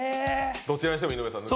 どちらにしても井上さん抜ける。